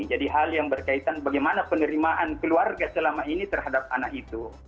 jadi hal yang berkaitan bagaimana penerimaan keluarga selama ini terhadap anak itu